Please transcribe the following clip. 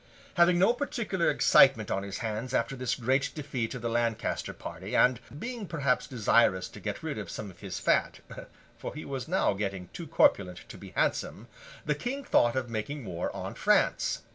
Having no particular excitement on his hands after this great defeat of the Lancaster party, and being perhaps desirous to get rid of some of his fat (for he was now getting too corpulent to be handsome), the King thought of making war on France.